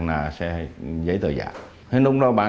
là giấy tờ giả